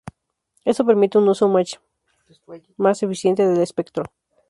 Esto permite un uso mucho más eficiente del espectro.